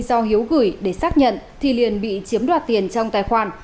do hiếu gửi để xác nhận thì liền bị chiếm đoạt tiền trong tài khoản